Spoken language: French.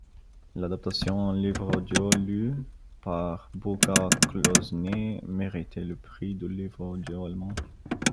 L’adaptation en livre-audio, lue par Burghart Klaußner, mérite le prix du livre-audio allemand.